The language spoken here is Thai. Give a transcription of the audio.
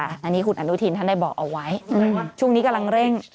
อันนี้คุณอนุทินท่านได้บอกเอาไว้ว่าช่วงนี้กำลังเร่ง